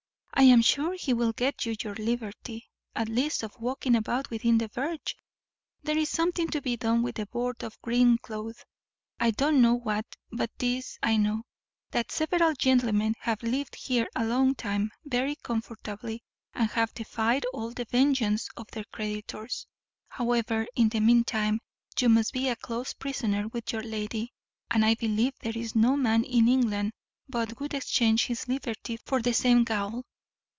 I am sure he will get you your liberty, at least of walking about within the verge. There's something to be done with the board of green cloth; I don't know what; but this I know, that several gentlemen have lived here a long time very comfortably, and have defied all the vengeance of their creditors. However, in the mean time, you must be a close prisoner with your lady; and I believe there is no man in England but would exchange his liberty for the same gaol."